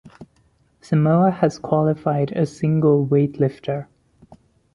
Samoa has qualified a single weightlifter.